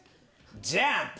ジャンプ！